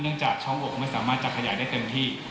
จากช่องอกไม่สามารถจะขยายได้เต็มที่